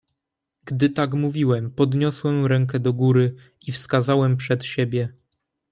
"Gdy tak mówiłem, podniosłem rękę do góry i wskazałem przed siebie."